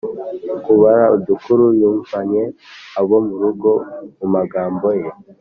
-kubara udukuru yumvanye abo mu rugo mu magambo ye;